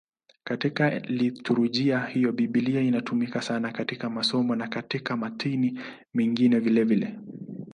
Katika liturujia hiyo Biblia inatumika sana katika masomo na katika matini mengine vilevile.